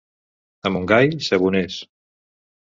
A Montgai, saboners.